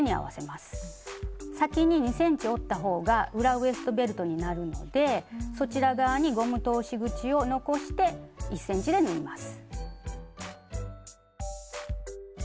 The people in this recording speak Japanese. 先に２ｃｍ折った方が裏ウエストベルトになるのでそちら側にゴム通し口を残して１ｃｍで縫います。